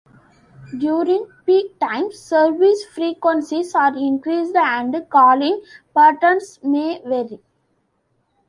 During peak times, service frequencies are increased and calling patterns may vary.